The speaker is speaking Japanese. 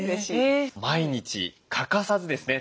毎日欠かさずですね